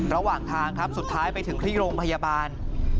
ระหว่างทางครับสุดท้ายไปถึงที่โรงพยาบาล